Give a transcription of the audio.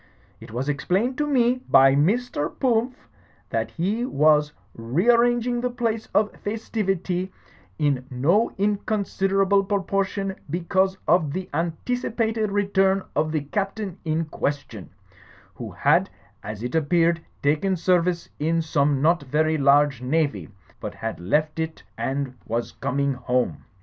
It was explained to me by Mr. Pumph that he was rearranging the place of festivity, in no inconsider able proportion because of the anticipated return of the Captain in question, who had, as it appeared, taken service in some not very large Navy, but had left it and was coming home.